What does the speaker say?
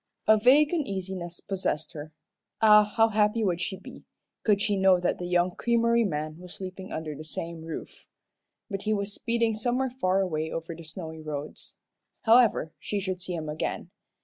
A vague uneasiness possessed her. Ah, how happy would she be, could she know that the young creamery man was sleeping under the same roof! But he was speeding somewhere far away over the snowy roads. However, she should see him again.